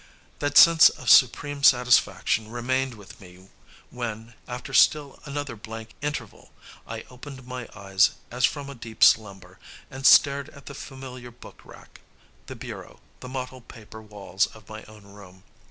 That sense of supreme satisfaction remained with me when, after still another blank interval, I opened my eyes as from a deep slumber, and stared at the familiar book rack, the bureau, the mottled paper walls of my own room.